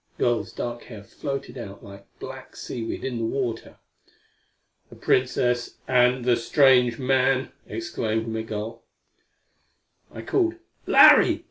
The girl's dark hair floated out like black seaweed in the water. "The Princess and the strange man!" exclaimed Migul. I called, "Larry!